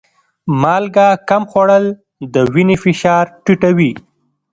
مالګه کم خوړل د وینې فشار ټیټوي.